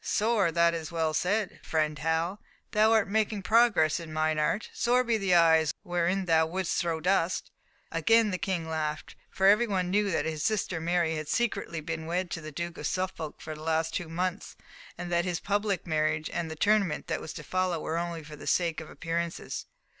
"Sore! that's well said, friend Hal. Thou art making progress in mine art! Sore be the eyes wherein thou wouldst throw dust." Again the King laughed, for every one knew that his sister Mary had secretly been married to the Duke of Suffolk for the last two months, and that this public marriage and the tournament that was to follow were only for the sake of appearances.